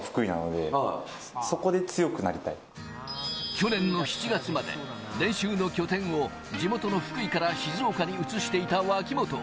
去年の７月まで練習の拠点を地元の福井から静岡に移していた脇本。